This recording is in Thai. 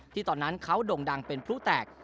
ตอนนั้นเขาโด่งดังเป็นพลุแตก